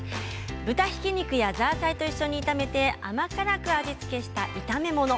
豚ひき肉やザーサイと一緒に炒めて甘辛く味付けした炒め物。